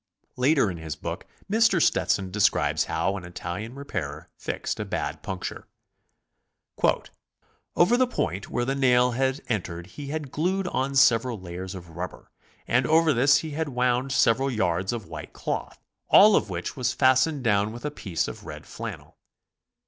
Later in his book Mr. Stetson de scribes how an Italian repairer fixed a bad puncture: "Over the point where the nail had entered he had glued on several layers of rubber, and over this he had wound several yards of white cloth, all of which was fastened down with a piece of red flannel.